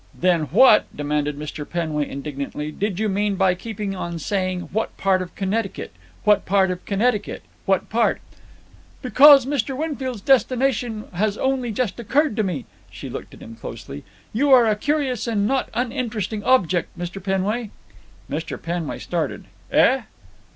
"Then what," demanded Mr. Penway indignantly, "did you mean by keeping on saying 'What part of C'nnecticut? What part of C'nnecticut? What part——'" "Because Mr. Winfield's destination has only just occurred to me." She looked at him closely. "You are a curious and not uninteresting object, Mr. Penway." Mr. Penway started. "Eh?"